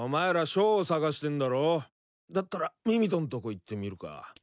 だったらミミトんとこ行ってみるか。